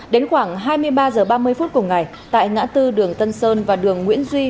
đến khoảng hai mươi ba h ba mươi phút cùng ngày tại ngã tư đường tân sơn và đường nguyễn duy